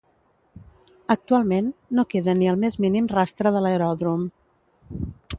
Actualment, no queda ni el més mínim rastre de l'aeròdrom.